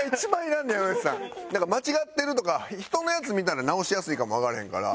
なんか間違ってるとか人のやつ見たら直しやすいかもわからへんから。